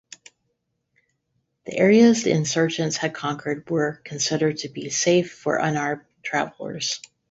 The areas the insurgents had conquered were considered to be safe for unarmed travellers.